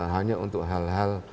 hanya untuk hal hal